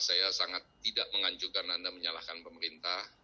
saya sangat tidak menganjurkan anda menyalahkan pemerintah